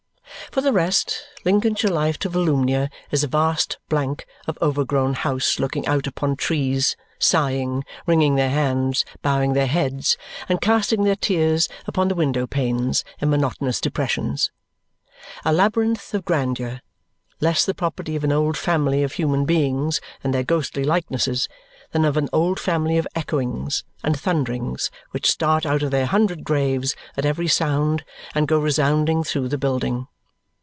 For the rest, Lincolnshire life to Volumnia is a vast blank of overgrown house looking out upon trees, sighing, wringing their hands, bowing their heads, and casting their tears upon the window panes in monotonous depressions. A labyrinth of grandeur, less the property of an old family of human beings and their ghostly likenesses than of an old family of echoings and thunderings which start out of their hundred graves at every sound and go resounding through the building.